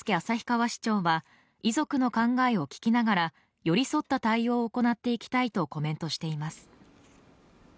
旭川市長は遺族の考えを聞きながら寄り添った対応を行っていきたいとコメントしています。